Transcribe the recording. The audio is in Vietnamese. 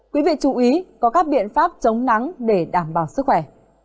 quý vị chú ý có các biện pháp chống nắng để đảm bảo sức khỏe